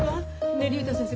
ねえ竜太先生